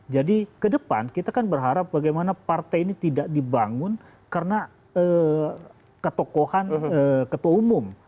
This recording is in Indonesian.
jadi kedepan kita kan berharap bagaimana partai ini tidak dibangun karena ketokohan ketua umum